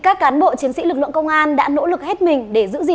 cảm ơn các bạn đã theo dõi